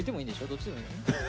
どっちでもいい。